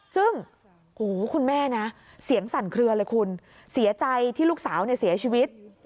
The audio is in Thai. ซึ่งคุณแม่นะเสียงสั่นเคลือเลยคุณเสียใจที่ลูกสาวเสียชีวิต